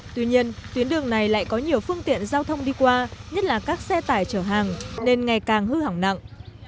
tuy nhiên tuyến đường này lại có nhiều phương tiện giao thông đi qua nhất là các xe tải chở hàng nên ngày càng hư hỏng nặng